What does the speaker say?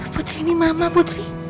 putri ini mama putri